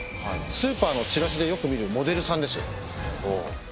スーパーのチラシでよく見るモデルさんです。